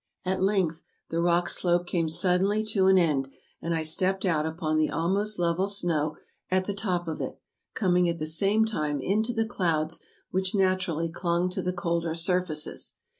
At length the rock slope came suddenly to an end, and I stepped out upon the almost level snow at the top of it, coming at the same time into the clouds, which naturally clung to the colder surfaces.